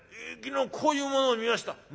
昨日こういうものを見ました。